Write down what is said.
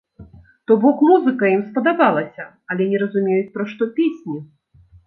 То бок музыка ім спадабалася, але не разумеюць, пра што песні.